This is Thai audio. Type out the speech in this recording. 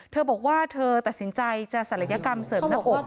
เธอบอกว่าเธอตัดสินใจจะศัลยกรรมเสริมหน้าอก